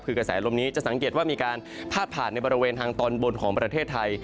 คือกระแสลมนี้จะสังเกตว่ามีการพาดผ่านในบริเวณทางตอนบนของประเทศไทย